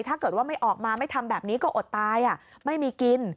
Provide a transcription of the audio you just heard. ถ้าเกิดว่าไม่ออกมาไม่ทำแบบนี้ก็อดตายไม่มีกิน